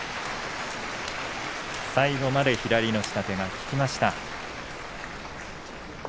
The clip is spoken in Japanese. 最後まで左の下手が効きました。